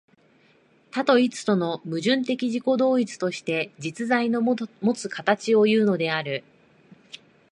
多と一との矛盾的自己同一として、実在のもつ形をいうのである。